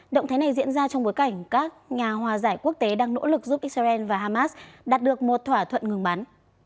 động thái này diễn ra trong bối cảnh các nhà hòa giải quốc tế đang nỗ lực giúp israel và hamas đạt được một thỏa thuận ngừng bắn